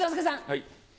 はい。